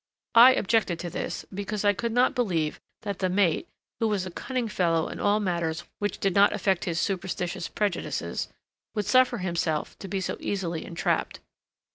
I objected to this, because I could not believe that the mate (who was a cunning fellow in all matters which did not affect his superstitious prejudices) would suffer himself to be so easily entrapped.